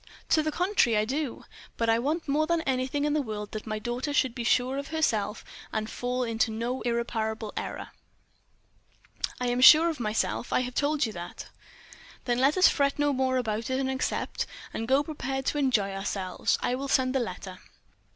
"To the contrary, I do—but I want more than anything else in the world that my daughter should be sure of herself and fall into no irreparable error." "But I am sure of myself—I have told you that." "Then let us fret no more about it, but accept, and go prepared to enjoy ourselves. I will send the letter."